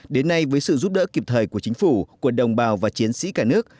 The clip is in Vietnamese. đến nay với sự giúp đỡ kịp thời của chính phủ của đồng bào và chiến sĩ cả nước